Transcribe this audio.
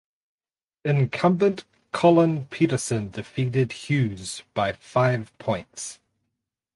Incumbent Collin Peterson defeated Hughes by five points.